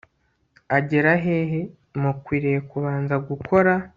agera hehe Mukwiriye kubanza gukora